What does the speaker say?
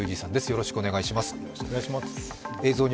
よろしくお願いします。